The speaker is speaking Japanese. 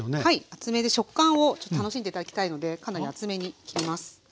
厚めで食感をちょっと楽しんで頂きたいのでかなり厚めに切ります。